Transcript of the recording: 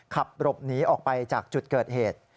ขับหลบหนีออกไปจากจุดเกิดเหตุ